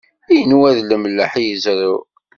Inwa d lemleḥ i yezreɛ.